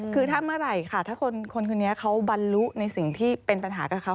คือถ้าเมื่อไหร่ค่ะถ้าคนคนนี้เขาบรรลุในสิ่งที่เป็นปัญหากับเขา